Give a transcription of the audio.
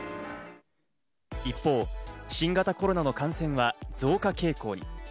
一方、新型コロナの感染は増加傾向に。